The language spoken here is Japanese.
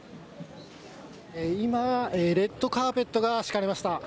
今、レッドカーペットが敷かれました。